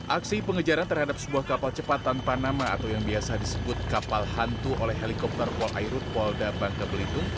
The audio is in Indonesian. aksi pengejaran terhadap sebuah kapal cepat tanpa nama atau yang biasa disebut kapal hantu oleh helikopter wal airut polda bangka belitung